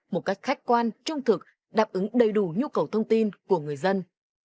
một cách khách quan trung thực đáp ứng đầy đủ nhu cầu thông tin của người dân